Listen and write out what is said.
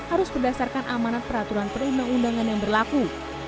harus berdasarkan amanat peraturan perundang undangan yang berlaku